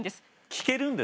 聞けるんですか？